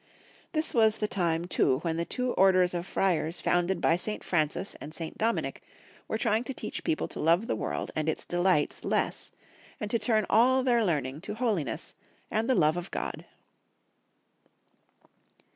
This was the time too when the two orders of friars founded by St. Francis and St. Dominic were trying to teach people to love the world and its delii^fhts less, and to turn all their learning to holiness and the love of God.